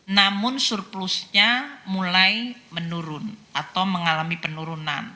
namun surplusnya mulai menurun atau mengalami penurunan